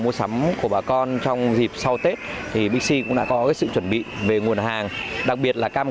mua sắm của bà con trong dịp sau tết thì bc cũng đã có sự chuẩn bị về nguồn hàng đặc biệt là cam